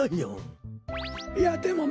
いやでもまてよ。